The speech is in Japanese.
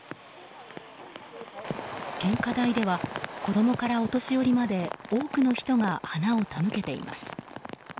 献花台では子供からお年寄りまで多くの人が花を手向けています。